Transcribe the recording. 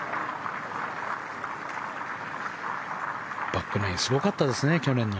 バックナインすごかったですね、去年の。